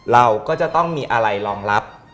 เราก็จะต้องมีอะไรรองรับ